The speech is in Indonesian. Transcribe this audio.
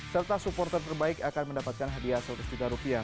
serta supporter terbaik akan mendapatkan hadiah seratus juta rupiah